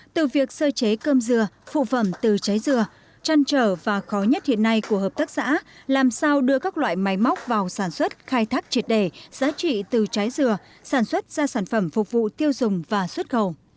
từ việc sơ chế cơm dừa phụ phẩm từ trái dừa trăn trở và khó nhất hiện nay của hợp tác xã làm sao đưa các loại máy móc vào sản xuất khai thác triệt đề giá trị từ trái dừa sản xuất ra sản phẩm phục vụ tiêu dùng và xuất khẩu